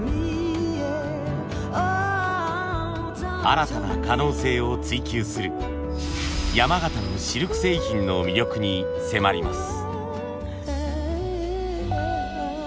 新たな可能性を追求する山形のシルク製品の魅力に迫ります。